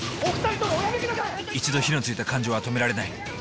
一度火のついた感情は止められない。